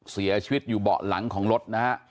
เสียชีวิตอยู่เบาะหลังของรถนะฮะ